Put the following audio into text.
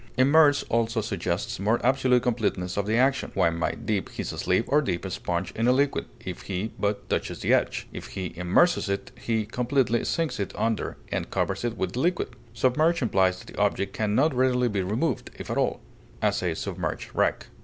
Immerse also suggests more absolute completeness of the action; one may dip his sleeve or dip a sponge in a liquid, if he but touches the edge; if he immerses it, he completely sinks it under, and covers it with the liquid. Submerge implies that the object can not readily be removed, if at all; as, a submerged wreck.